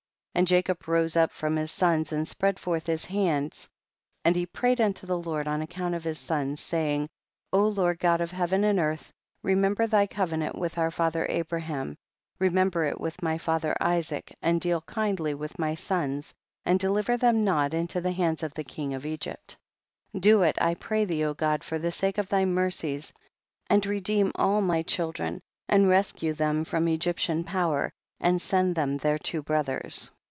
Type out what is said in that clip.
26. And Jacob rose up from his sons and spread forth his hands and he prayed unto the Ijord on account of his sons, saying, O Lord God of heaven and earth, remember thy co venant with our father Abraham, re 166 THE BOOK OF JASHER. member it with my father Isaac and deal kindly with my sons and deliver them not into the hands of the king of Egypt ; do it I pray thee God for the sake of thy mercies and re deem all my children and rescue them from Egyptian power, and send them their two brothers.